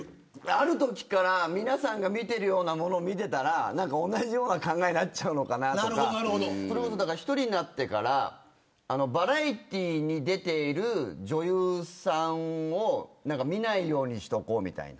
あるときから、皆さんが見てるようなものを見てたら同じような考えになっちゃうのかなとかそれこそ１人になってからバラエティーに出ている女優さんを見ないようにしとこうみたいな。